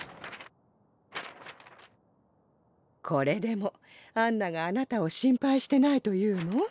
これでもアンナがあなたを心配してないと言うの？